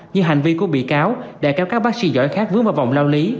như hành vi của bị cáo đã kéo các bác sĩ giỏi khác vướng vào vòng lao lý